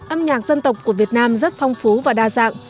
âm nhạc dân tộc của việt nam rất phong phú và đa dạng